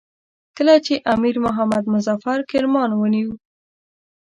کله چې امیر محمد مظفر کرمان ونیوی.